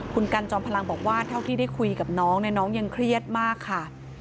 คุณกันจอมพลังบอกว่าเท่าที่ได้คุยกับน้องเนี่ยน้องยังเครียดมากค่ะ